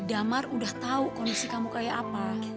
damar udah tahu kondisi kamu kayak apa